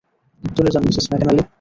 চলে যান, Mrs McNally.